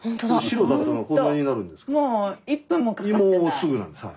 もうすぐなんではい。